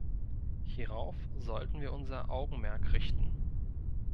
Hierauf sollten wir unser Augenmerk richten.